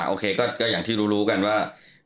โอเคก็อย่างที่รู้กันว่า